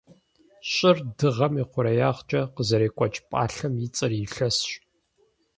Щӏыр Дыгъэм и хъуреягъкӏэ къызэрекӏуэкӏ пӏалъэм и цӏэр илъэсщ.